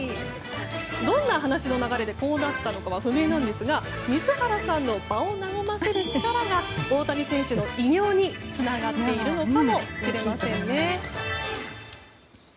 どんな話の流れでこうなったのかは不明ですが水原さんの場を和ませる力が大谷選手の偉業につながっているのかもしれませんね。